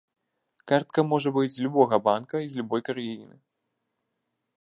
Картка можа быць з любога банка і з любой краіны.